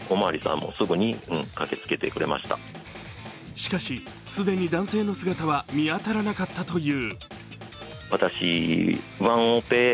しかし、既に男性の姿は見当たらなかったという。